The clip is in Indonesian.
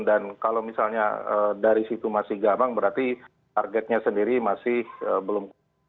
dan kalau misalnya dari situ masih gamang berarti targetnya sendiri masih belum